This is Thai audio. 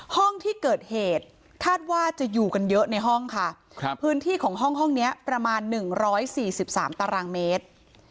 ห้องที่เกิดเหตุถ้าว่าจะอยู่กันเยอะในห้องค่ะครับพื้นที่ของห้องห้องเนี้ยประมาณหนึ่งร้อยสี่สิบสามตารางเมตร